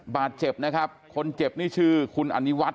บาดเจ็บนะครับคนเจ็บนี่ชื่อคุณอนิวัฒน